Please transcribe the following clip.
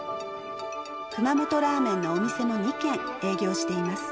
熊本ラーメンのお店も２軒営業しています。